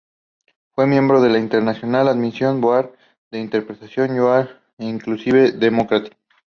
Fue miembro del "International Advisory Board" del "International Journal of Inclusive Democracy".